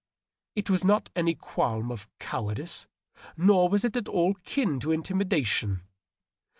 It was not any qualm of coward ice, nor was it at all akin to intimidation.